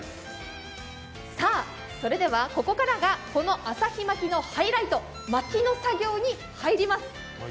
さぁ、それではここからがこの旭巻のハイライト、巻きの作業に入ります。